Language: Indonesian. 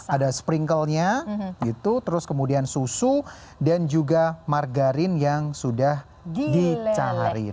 ada sprinklenya gitu terus kemudian susu dan juga margarin yang sudah dicari